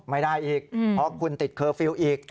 ไม่ได้อีกเพราะคุณติดเคอร์ฟิลล์อีก